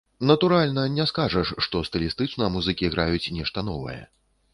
Натуральна, не скажаш, што стылістычна музыкі граюць нешта новае.